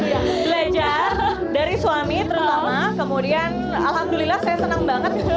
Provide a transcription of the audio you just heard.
iya belajar dari suami terutama kemudian alhamdulillah saya senang banget